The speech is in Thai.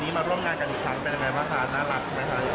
เป็นอย่างไรบ้างค่ะน่ารักไหมค่ะ